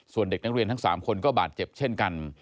ส่วนเด็กนักเรียนทั้ง๓คนก็บาดเจ็บเช่นกัน